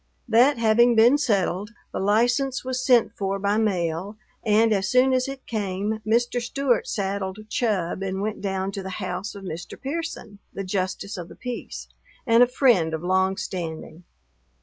That having been settled, the license was sent for by mail, and as soon as it came Mr. Stewart saddled Chub and went down to the house of Mr. Pearson, the justice of the peace and a friend of long standing.